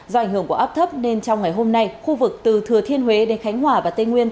do ảnh hưởng của áp thấp nên trong ngày hôm nay khu vực từ thừa thiên huế đến khánh hòa và tây nguyên